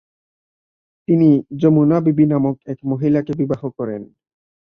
তিনি যমুনা বিবি নামক এক মহিলাকে বিবাহ করেন।